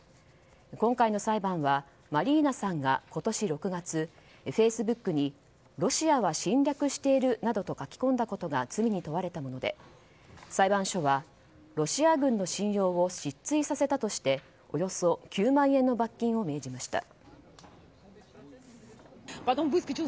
今回の裁判はマリーナさんが今年６月フェイスブックにロシアは侵略しているなどと書き込んだことが罪に問われたもので裁判所はロシア軍の信用を失墜させたとしておよそ９万円の罰金を命じました。